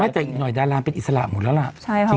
แต่อีกหน่อยดาราเป็นอิสระหมดแล้วล่ะ